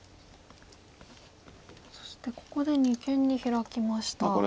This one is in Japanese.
そしてここで二間にヒラきました。